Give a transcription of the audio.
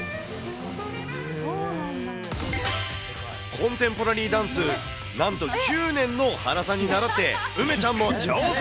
コンテンポラリーダンス、なんと９年の原さんに習って、梅ちゃんも挑戦。